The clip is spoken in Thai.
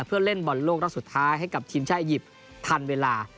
เพื่อเล่นบอลโลกรักษ์สุดท้ายให้กับทีมชายอาหยิบทันเวลา